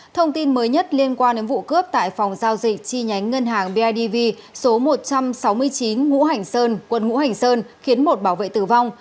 thông tin mới nhất liên quan đến vụ cướp tại phòng giao dịch chi nhánh ngân hàng bidv số một trăm sáu mươi chín ngũ hành sơn quận ngũ hành sơn khiến một bảo vệ tử vong